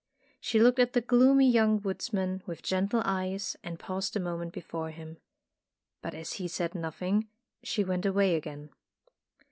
She looked at the gloomy young woods man with gentle eyes, and paused a mo ment before him. But as he said nothing, she went away again.